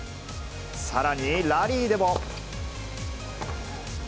さらに、ラリーでも。